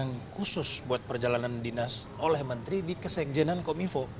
yang khusus buat perjalanan dinas oleh menteri di kesekjenan kominfo